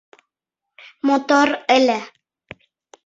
Мотор ыле.